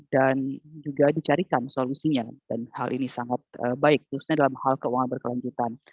dan juga dicarikan solusinya dan hal ini sangat baik khususnya dalam hal keuangan berkelanjutan